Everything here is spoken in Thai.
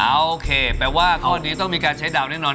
โอเคแปลว่าข้อนี้ต้องมีการใช้ดาวแน่นอน